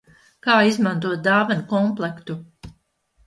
Kā izmantot dāvanu komplektu?